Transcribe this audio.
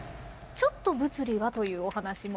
ちょっと「物理」はというお話も。